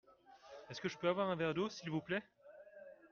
Est-ce que je peux avoir un verre d'eau s'il vous plait ?